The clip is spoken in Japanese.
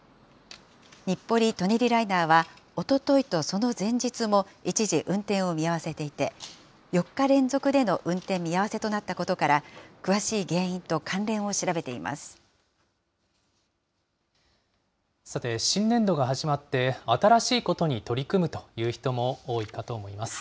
日暮里・舎人ライナーは、おとといとその前日も一時運転を見合わせていて、４日連続での運転見合わせとなったことから、さて、新年度が始まって新しいことに取り組むという人も多いかと思いま